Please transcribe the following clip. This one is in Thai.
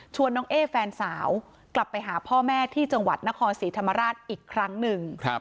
น้องเอ๊แฟนสาวกลับไปหาพ่อแม่ที่จังหวัดนครศรีธรรมราชอีกครั้งหนึ่ง